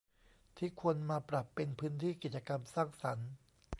ที่ควรมาปรับเป็นพื้นที่กิจกรรมสร้างสรรค์